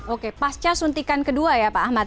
oke pasca suntikan kedua ya pak ahmad